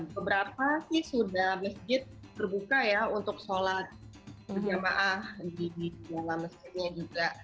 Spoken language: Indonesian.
beberapa sih sudah masjid terbuka ya untuk sholat berjamaah di dalam masjidnya juga